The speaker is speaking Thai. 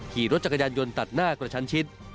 ขี่รถจักรยานยนต์ตัดหน้ากระชันชิด